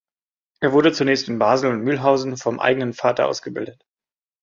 Er wurde zunächst in Basel und Mülhausen vom eigenen Vater ausgebildet.